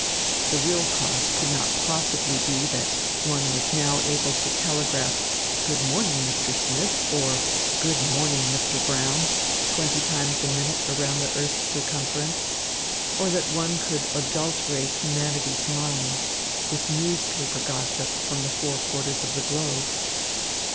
The real cause could not possibly be that one was now able to telegraph "Good morning, Mr. Smith," or "Good morning, Mr. Brown," twenty times a minute around the earth's circumference, or that one could adulterate humanity's mind with newspaper gossip from the four quarters of the globe.